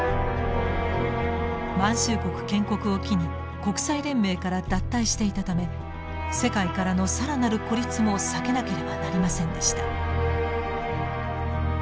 満州国建国を機に国際連盟から脱退していたため世界からの更なる孤立も避けなければなりませんでした。